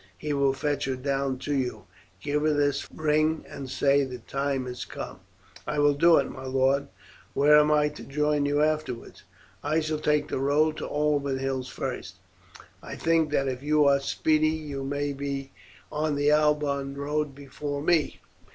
He will fetch her down to you. Give her this ring, and say the time has come." "I will do it, my lord. Where am I to join you afterwards?" "I shall take the road to the Alban Hills first; I think that if you are speedy, you may be on the Alban road before me.